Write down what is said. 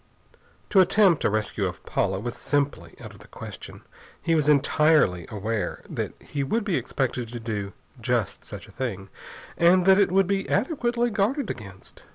To attempt a rescue of Paula was simply out of the question. He was entirely aware that he would be expected to do just such a thing, and that it would be adequately guarded against.